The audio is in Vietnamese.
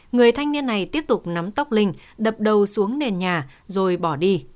người thanh niên này tiếp tục nắm tóc linh đập đầu xuống nền nhà rồi bỏ đi